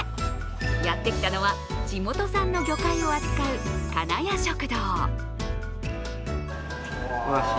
やってきのは地元産の魚介を扱う金谷食堂。